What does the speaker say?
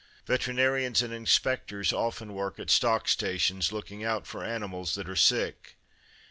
Veterinaries and inspectors often work at stock stations, looking out for animals that are sick.